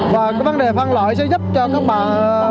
và vấn đề phân loại sẽ giúp cho các bạn